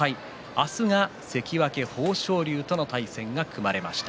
明日は関脇豊昇龍との対戦が組まれました。